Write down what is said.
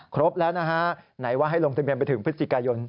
ครบแล้วนะฮะไหนว่าให้ลงทะเบียนไปถึงพฤศจิกายน